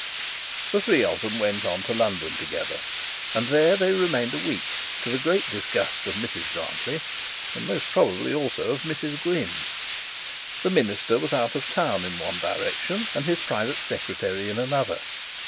The three of them went on to London together, and there they remained a week, to the great disgust of Mrs Grantly, and most probably also of Mrs Gwynne. The minister was out of town in one direction, and his private secretary in another.